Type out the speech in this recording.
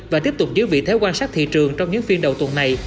và tiếp tục giữ vị thế quan sát thị trường trong những phiên đầu tuần này